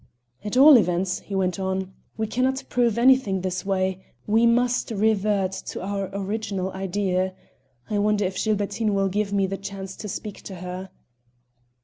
"At all events," he went on, "we can not prove anything this way; we must revert to our original idea. I wonder if Gilbertine will give me the chance to speak to her."